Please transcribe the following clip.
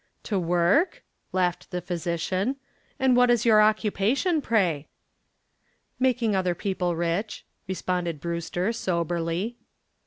"To work?" laughed the physician. "And what is your occupation, pray?" "Making other people rich," responded Brewster, soberly.